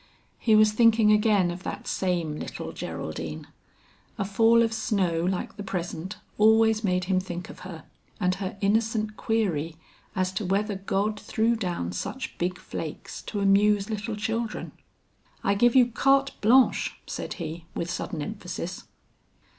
He was thinking again of that same little Geraldine; a fall of snow like the present always made him think of her and her innocent query as to whether God threw down such big flakes to amuse little children. "I give you carte blanche," said he with sudden emphasis.